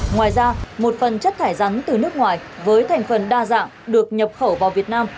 ngoài ra một phần chất thải rắn từ nước ngoài với thành phần đa dạng được nhập khẩu vào việt nam